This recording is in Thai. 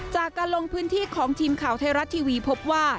จากการลงพื้นที่ของทีมข่าวไทยรัฐทีวีพบว่า